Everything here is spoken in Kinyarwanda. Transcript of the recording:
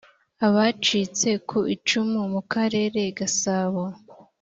abacitse ku icumu mu karere gasabo